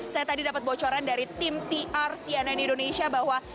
saya tadi dapat bocoran dari tim pr cnn indonesia bahwa